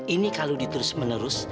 ini kalau dituris menerus